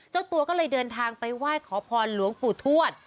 เจ้าตัวก็เลยเดินทางไปไหว้ขอพรหลวงปู่ทวด